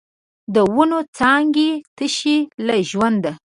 د ونو څانګې تشې له ژونده